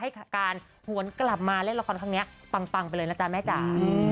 การหวนกลับมาเล่นละครครั้งนี้ปังไปเลยนะจ๊ะแม่จ๋า